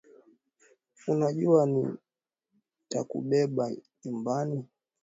Unajua nitakubeba nyumbani